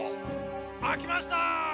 開きました！